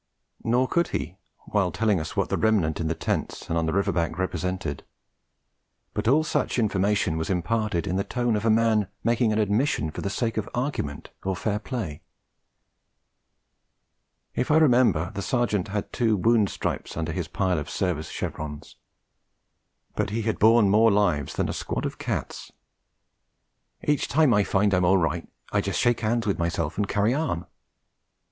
Nor could he, while telling us what the remnant in the tents and on the river bank represented; but all such information was imparted in the tone of a man making an admission for the sake of argument or fair play. If I remember, the Sergeant had two wound stripes under his pile of service chevrons. But he had borne more lives than a squad of cats. 'Each time I find I'm all right, I just shake 'ands with myself and carry on.'